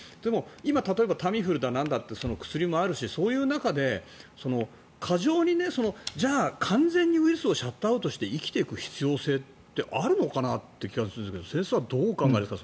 今、例えばタミフルだなんだって薬もあるからそういう中で過剰にじゃあ、完全にウイルスをシャットアウトして生きていく必要性ってあるのかなって気がするんですが先生はどうお考えですか？